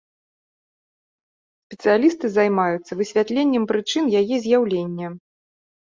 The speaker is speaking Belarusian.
Спецыялісты займаюцца высвятленнем прычын яе з'яўлення.